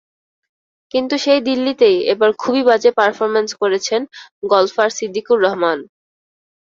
কিন্তু সেই দিল্লিতেই এবার খুবই বাজে পারফরম্যান্স করেছেন গলফার সিদ্দিকুর রহমান।